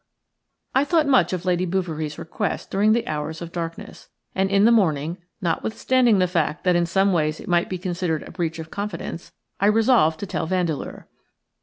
I thought much of Lady Bouverie's request during the hours of darkness; and in the morning, notwithstanding the fact that in some ways it might be considered a breach of confidence, I resolved to tell Vandeleur.